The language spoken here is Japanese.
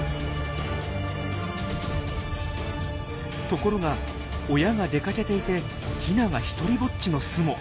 ところが親が出かけていてヒナが独りぼっちの巣も。